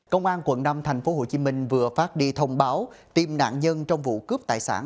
công an quận năm tp hcm vừa phát đi thông báo tìm nạn nhân trong vụ cướp tài sản